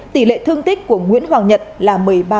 tỷ lệ thương tích của nguyễn hoàng nhật là một mươi ba